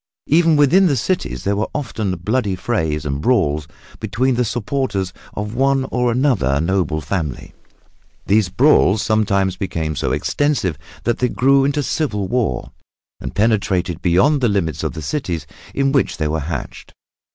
Even within the cities there were often bloody frays and brawls between the supporters of one or another noble family. These brawls sometimes became so extensive that they grew into civil war, and penetrated beyond the limits of the cities in which they were hatched.